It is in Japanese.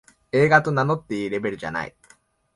映画と名乗っていいレベルじゃない